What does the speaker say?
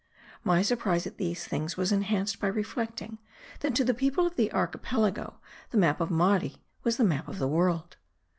My surprise at these things was enhanced by reflecting, that to the people of the Archipelago the map of Mardi was the map of the world.